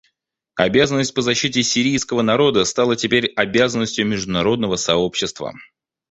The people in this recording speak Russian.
Обязанность по защите сирийского народа стала теперь обязанностью международного сообщества.